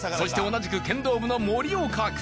同じく剣道部の森岡君